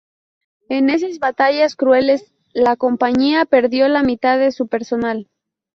En esas batallas crueles, la compañía perdió la mitad de su personal.